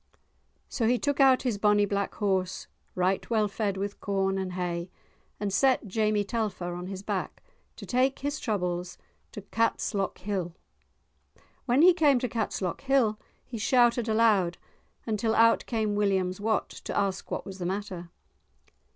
So he took out his bonny black horse, right well fed with corn and hay, and set Jamie Telfer on his back, to take his troubles to Catslockhill. When he came to Catslockhill he shouted aloud until out came William's Wat to ask what was the matter.